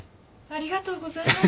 ありがとうございます。